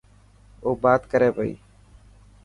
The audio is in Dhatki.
او بات ڪري پئي.